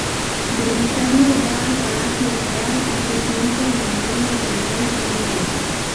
Belisario va al palacio real y se sienta en el trono del rey vándalo.